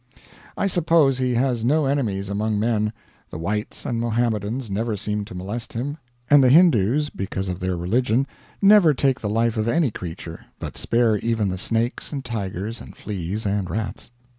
I suppose he has no enemies among men. The whites and Mohammedans never seemed to molest him; and the Hindoos, because of their religion, never take the life of any creature, but spare even the snakes and tigers and fleas and rats.